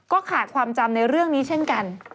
ก็ขาดความจำในเรื่องนี้เช่นกัน